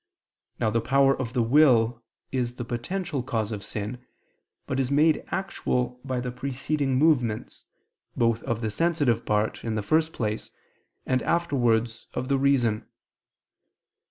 Now the power of the will is the potential cause of sin, but is made actual by the preceding movements, both of the sensitive part, in the first place, and afterwards, of the reason.